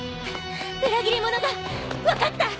裏切り者が分かった！